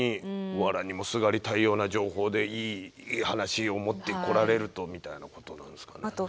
藁にもすがりたいような情報でいい話を持ってこられるとみたいなことなんですかね。